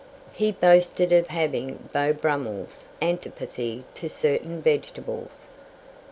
He boasted of having Beau Brummell's antipathy to certain vegetables.